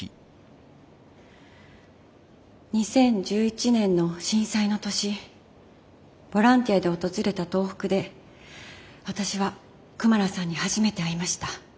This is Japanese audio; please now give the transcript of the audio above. ２０１１年の震災の年ボランティアで訪れた東北で私はクマラさんに初めて会いました。